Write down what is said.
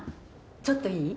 ちょっといい？